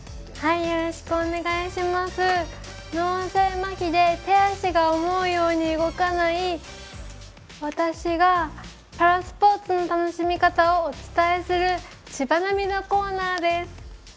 脳性まひで手足が思うように動かない私がパラスポーツの楽しみ方をお伝えする「ちばナビ」のコーナーです。